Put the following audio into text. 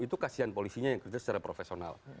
itu kasihan polisinya yang kerja secara profesional